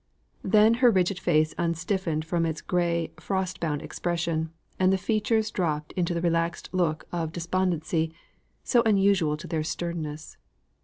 Then her rigid face unstiffened from its gray frost bound expression, and the features dropped into the relaxed look of despondency, so unusual to their sternness.